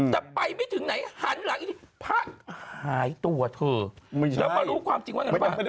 แต่ไปไม่ถึงไหนหันหลังอีกทีพระหายตัวเธอแล้วมารู้ความจริงว่าไงบ้าง